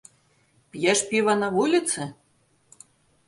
П'еш піва на вуліцы?